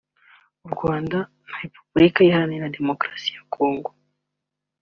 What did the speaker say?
u Rwanda na Repubulika ihaganira Demokarasi ya Congo